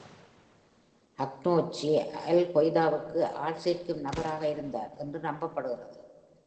Akhnouche அல்கொய்தாவுக்கு ஆள்சேர்க்கும் நபராக இருந்தார் என்று நம்பப்படுகிறது.